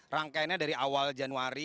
rangkaiannya dari awal januari